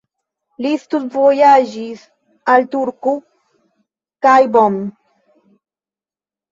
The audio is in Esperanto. Li studvojaĝis al Turku kaj Bonn.